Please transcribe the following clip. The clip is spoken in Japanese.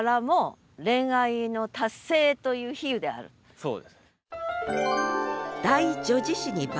そうですね。